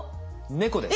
猫です。